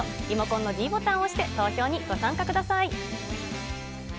リモコンのｄボタンを押して投票にご参加ください。